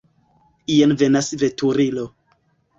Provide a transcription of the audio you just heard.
Jen venas veturilo.